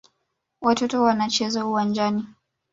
Watoto wanacheza uwanjani.